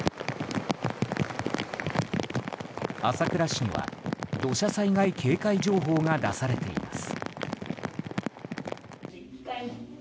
朝倉市には土砂災害警戒情報が出されています。